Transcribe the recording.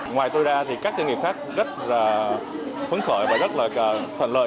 ngoài tôi ra thì các doanh nghiệp khác rất là phấn khởi và rất là thuận lợi